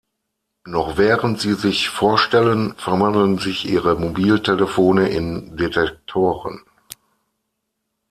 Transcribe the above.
Noch während sie sich vorstellen, verwandeln sich ihre Mobiltelefone in "D-Tektoren".